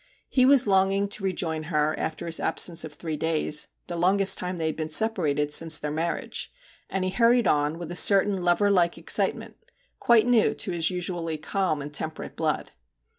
He was longing to rejoin her after his absence of three days, the longest time they had been separated since their marriage, and he hurried on with a certain loverlike excite ment, quite new to his usually calm and temperate blood.